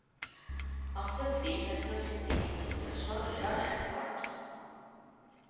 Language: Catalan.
El seu fill va ser el científic i professor George Forbes.